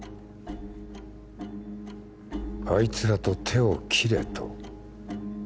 あいつらと手を切れと？